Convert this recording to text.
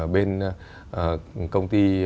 bên công ty